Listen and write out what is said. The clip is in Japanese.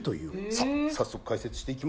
さあ早速解説していきましょう。